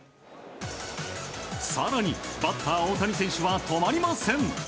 更に、バッター大谷選手は止まりません。